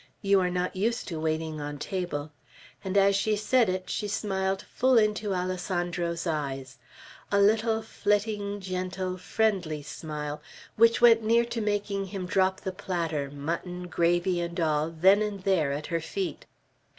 You are not used to waiting on table;" and as she said it, she smiled full into Alessandro's eyes, a little flitting, gentle, friendly smile, which went near to making him drop the platter, mutton, gravy, and all, then and there, at her feet.